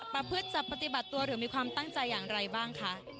ประพฤติจะปฏิบัติตัวหรือมีความตั้งใจอย่างไรบ้างคะ